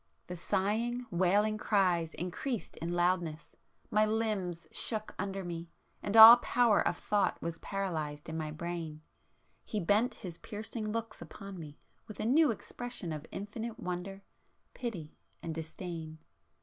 The sighing, wailing cries increased in loudness,—my limbs shook under me, and all power of thought was paralysed in my brain. He bent his piercing looks upon me with a new expression of infinite wonder, pity and disdain.